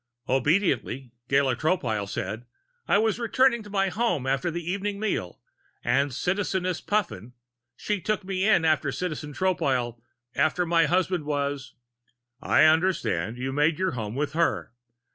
Obediently, Gala Tropile said: "I was returning to my home after the evening meal and Citizeness Puffin she took me in after Citizen Tropile after my husband was " "I understand. You made your home with her."